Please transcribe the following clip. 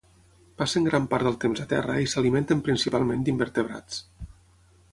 Passen gran part del temps a terra i s'alimenten principalment d'invertebrats.